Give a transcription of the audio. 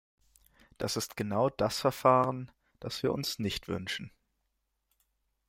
Das ist genau das Verfahren, das wir uns nicht wünschen.